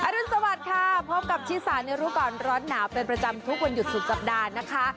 รุนสวัสดิ์ค่ะพบกับชิสาในรู้ก่อนร้อนหนาวเป็นประจำทุกวันหยุดสุดสัปดาห์นะคะ